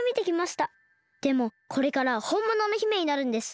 でもこれからはほんものの姫になるんです。